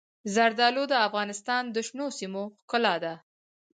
زردالو د افغانستان د شنو سیمو ښکلا ده.